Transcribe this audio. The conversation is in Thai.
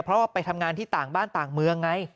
เพราะว่าไปทำงานที่ต่างบ้านต่างเมืองไง